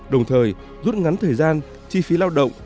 đồng thời rút ngắn thời gian chi phí lao động